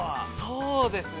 ◆そうですね。